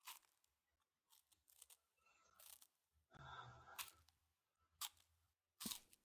نجونې به تر هغه وخته پورې مسلکي زدکړې کوي.